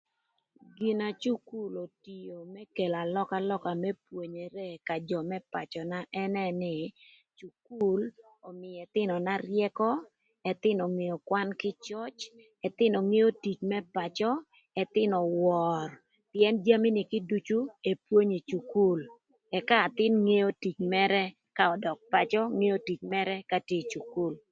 Gina cukul otio më kelo alökalöka më pwonyere ka jö më pacöna ënë nï cukul ömïö ëthïnöna ryëkö, ëthïnö ongeo kwan kï cöc, ëthïnö ngeo tic më pacö, ëthïnö wör, pïën jami ni kï ducu epwonyo ï cukul ëka athïn ngeo tic mërë ka ödök pacö ngeo tic mërë ka tye ï cukul.